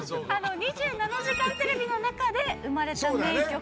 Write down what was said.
『２７時間テレビ』の中で生まれた名曲で。